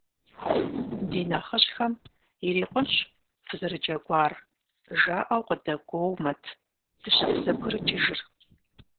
Ди нэхъыжьхэм, ирикъунщ фызэрыджэгуар, жаӀэу къыдэгуоумэт дыщызэбгрыкӀыжыр.